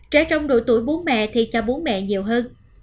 trẻ trong độ tuổi bú mẹ thì cho bú mẹ nhiều hơn